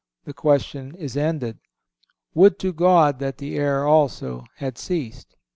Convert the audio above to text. The question is ended. Would to God that the error also had ceased."